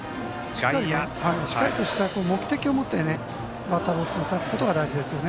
しっかりとした目的を持ってバッターボックスに立つことが大事ですね。